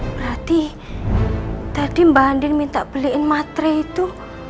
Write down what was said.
berarti tadi mbak andin minta beliin matre itu